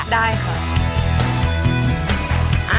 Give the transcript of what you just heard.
ได้ค่ะ